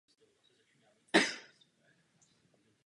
Tím se kvalifikoval do tehdejší soutěže Vestfálska.